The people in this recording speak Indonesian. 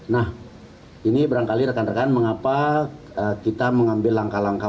nah ini berangkali rekan rekan mengapa kita mengambil langkah langkah